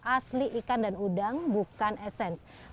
asli ikan dan udang bukan esensi